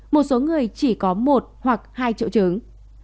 một số người chỉ có một hoặc hai triệu chứng